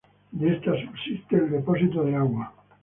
De esta subsiste el depósito de agua.